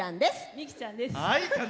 ミキちゃんです。